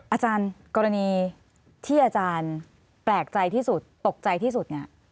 อาจารย์กรณีที่อาจารย์แปลกใจที่สุดตกใจที่สุดเนี่ย